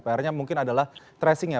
pernahnya mungkin adalah tracing nya